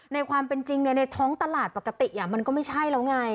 ในความเป็นจริงในท้องตลาดปกติมันก็ไม่ใช่แล้วไง